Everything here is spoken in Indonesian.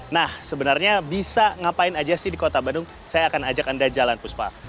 nah sebenarnya bisa ngapain aja sih di kota bandung saya akan ajak anda jalan puspa